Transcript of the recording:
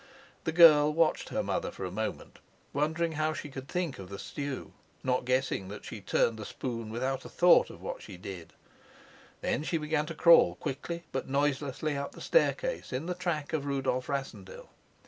The girl watched her mother for a moment, wondering how she could think of the stew, not guessing that she turned the spoon without a thought of what she did; then she began to crawl, quickly but noiselessly, up the staircase in the track of Rudolf Rassendyll.